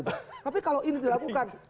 tapi kalau ini dilakukan